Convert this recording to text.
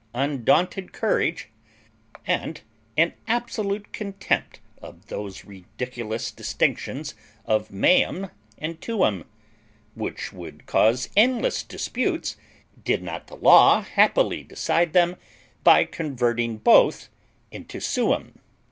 undaunted courage, and an absolute contempt of those ridiculous distinctions of meum and tuum, which would cause endless disputes did not the law happily decide them by converting both into suum.